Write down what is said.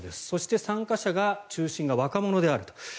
そして、参加者の中心が若者であると。